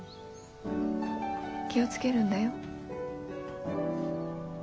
気をつけるんだよ。